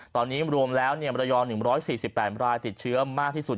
ตอนนี้รวมแล้วมรยอ๑๔๘รายติดเชื้อมากที่สุด